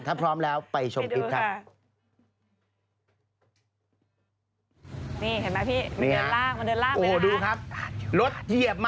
ถ้าพร้อมแล้วไปชมคลิปครับ